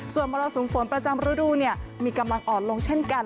ส่วนมรสุมฝนประจำฤดูมีกำลังอ่อนลงเช่นกัน